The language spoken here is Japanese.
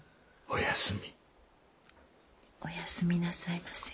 おやすみなさいませ。